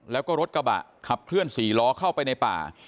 แล้วก็รถกระบะขับเคลื่อน๔ล้อเข้าไปในป่า